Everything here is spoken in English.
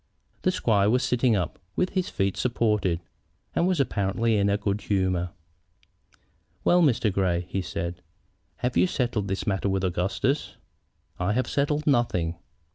The squire was sitting up, with his feet supported, and was apparently in a good humor. "Well, Mr. Grey," he said, "have you settled this matter with Augustus?" "I have settled nothing."